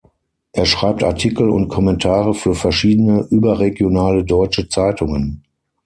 Er schreibt Artikel und Kommentare für verschiedene überregionale deutsche Zeitungen.